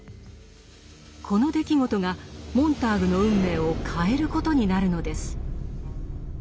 この出来事がモンターグの運命を変えることになるのです。